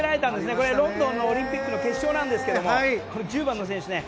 これロンドンオリンピックの決勝なんですけども１０番の選手ね。